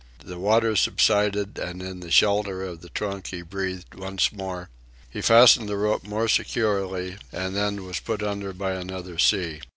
The water subsided, and in the shelter of the trunk he breathed once more. He fastened the rope more securely, and then was put under by another sea.